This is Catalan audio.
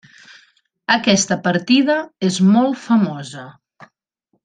Aquesta partida és molt famosa.